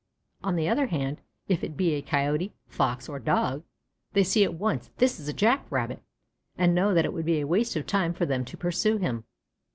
On the other hand, if it be a Coyote, Fox, or Dog, they see at once, this is a Jack rabbit, and know that it would be waste of time for them to pursue him.